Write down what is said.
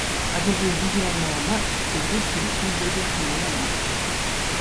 Ачасен выҫӑ лармалла мар, сивӗре ҫӗтӗк тумтирпе шӑнмалла мар.